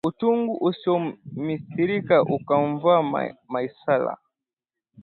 Uchungu usiomithilika ukamvaa Maisara